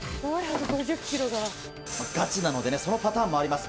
ガチなので、そのパターンもあります。